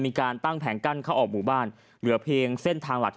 มีการตั้งแผงกั้นเข้าออกหมู่บ้านเหลือเพียงเส้นทางหลักที่